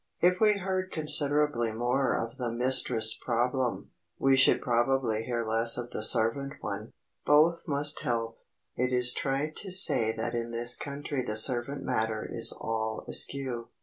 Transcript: If we heard considerably more of "the mistress problem," we should probably hear less of the servant one. [Sidenote: BOTH MUST HELP] It is trite to say that in this country the servant matter is all askew.